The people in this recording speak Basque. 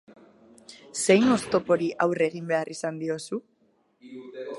Zein oztopori aurre egin behar izan diozu?